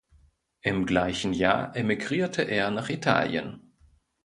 Im gleichen Jahr emigrierte er nach Italien.